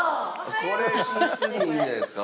これ寝室にいいんじゃないですか？